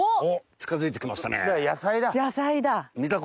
近づいてきましたね。